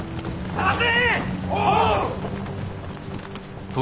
・捜せ！